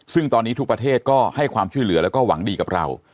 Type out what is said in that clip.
ซึ่งตอนนี้ทุกประเทศก็ให้ความช่วยเหลือแล้วก็หวังดีกับเรา